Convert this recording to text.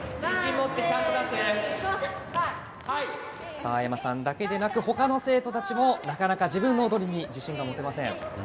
澤山さんだけでなく、ほかの生徒たちもなかなか自分の踊りに自信が持てません。